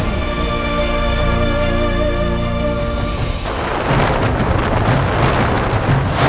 atau tentang kakaknya